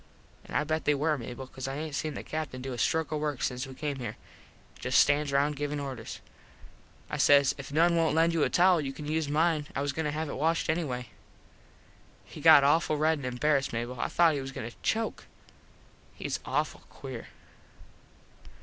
An I bet they were Mable cause I aint seen the Captin do a stroke of work since we come here. Just stands round givin orders. I says, "If noone wont lend you a towel you can use mine. I was just goin to have it washed anyway." He got awful red and embarassed Mable. I thought he was goin to choke. Hes awful queer.